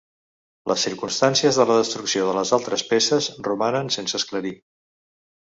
Les circumstàncies de la destrucció de les altres peces romanen sense esclarir.